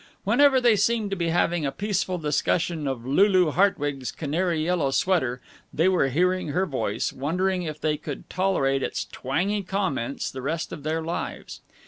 Whenever they seemed to be having a peaceful discussion of Lulu Hartwig's canary yellow sweater, they were hearing her voice, wondering if they could tolerate its twangy comments the rest of their lives.